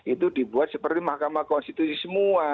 itu dibuat seperti mahkamah konstitusi semua